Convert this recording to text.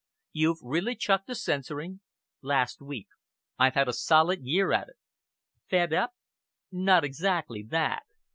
"You've really chucked the censoring?" "Last week. I've had a solid year at it." "Fed up?" "Not exactly that.